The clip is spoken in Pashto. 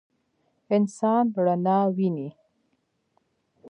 انسان رڼا ویني.